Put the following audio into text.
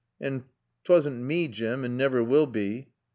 "An' 'twasn' mae, Jim, and navver will bae."